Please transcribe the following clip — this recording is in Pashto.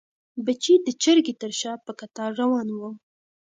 بچي د چرګې تر شا په کتار روان وو.